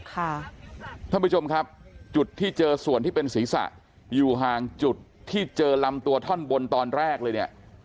ท่านผู้ชมครับจุดที่เจอส่วนที่เป็นศีรษะอยู่ห่างจุดที่เจอลำตัวท่อนบนตอนแรกเลยเนี่ย